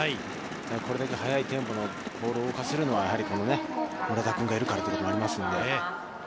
これだけ速いテンポのボールを動かせるのはやはり村田君がいるからということもありますので。